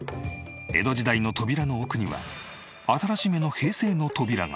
江戸時代の扉の奥には新しめの平成の扉が。